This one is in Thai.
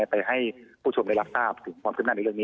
ไปให้ผู้ชมได้รับทราบถึงความขึ้นหน้าในเรื่องนี้